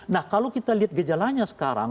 nah kalau kita lihat gejalanya sekarang